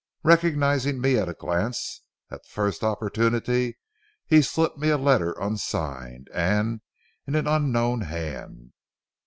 Recognizing me at a glance, at the first opportunity he slipped me a letter unsigned and in an unknown hand.